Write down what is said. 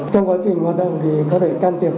trong quá trình hoạt động thì có thể can thiệp